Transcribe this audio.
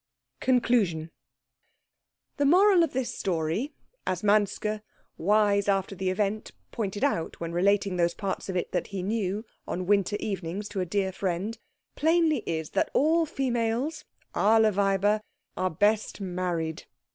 CONCLUSION The moral of this story, as Manske, wise after the event, pointed out when relating those parts of it that he knew on winter evenings to a dear friend, plainly is that all females alle Weiber are best married.